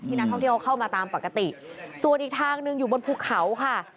นักท่องเที่ยวเข้ามาตามปกติส่วนอีกทางหนึ่งอยู่บนภูเขาค่ะ